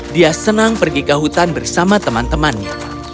dia senang pergi ke hutan bersama teman temannya